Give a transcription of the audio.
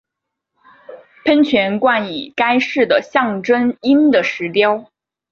喷泉冠以该市的象征鹰的石雕。